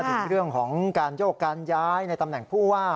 ถึงเรื่องของการโยกการย้ายในตำแหน่งผู้ว่า